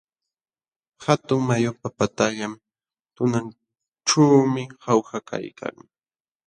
Hatun mayupa patallan tunanćhuumi Jauja kaykan.